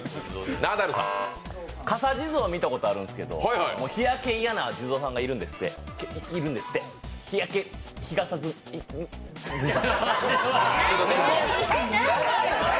かさ地蔵見たことあるんですけど日焼けが嫌ないるんですって日焼け日傘地蔵。